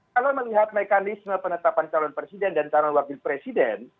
kalau melihat mekanisme penetapan calon presiden dan calon wakil presiden